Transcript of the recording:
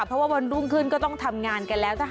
เพราะว่าวันรุ่งขึ้นก็ต้องทำงานกันแล้ว